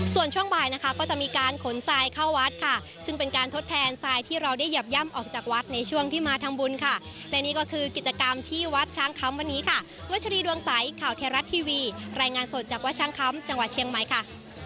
ส่วนช่วงบ่ายนะคะก็จะมีการขนทรายเข้าวัดค่ะซึ่งเป็นการทดแทนทรายที่เราได้หยับย่ำออกจากวัดในช่วงที่มาทำบุญค่ะและนี่ก็คือกิจกรรมที่วัดช้างคำวันนี้ค่ะวัชรีดวงใสข่าวเทราะทีวีรายงานสดจากวัดช้างคำจังหวัดเชียงใหม่ค่ะ